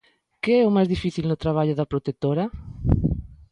Que é o máis difícil no traballo da protectora?